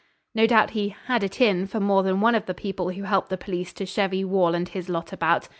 No doubt he 'had it in' for more than one of the people who helped the police to chevy Wall and his lot about.